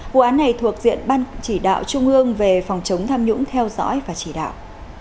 vụ án này thuộc diện ban chỉ đạo trung ương về phòng chống tham nhũng theo dõi và chỉ đạo